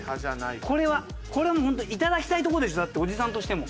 これはこれもう本当にいただきたいとこでしょだっておじさんとしても。